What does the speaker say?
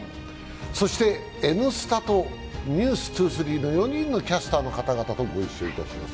そして、「Ｎスタ」と「ｎｅｗｓ２３」の４人のキャスターの方々とご一緒いたします。